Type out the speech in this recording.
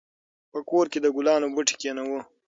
په کور کې د ګلانو بوټي کېنوو.